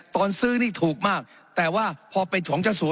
ตอนซื้อนี่ถูกมากแต่ว่าพอเป็นของเจ้าสัว